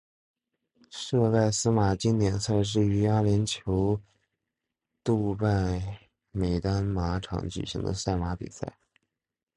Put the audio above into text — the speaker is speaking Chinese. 杜拜司马经典赛是于阿联酋杜拜美丹马场举行的赛马比赛。